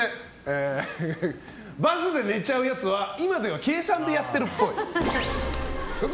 バスで寝ちゃうやつは今では計算でやっているっぽい。